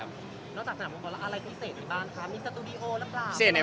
บ้านน้องแมวสรุปแพงกว่าบ้านผม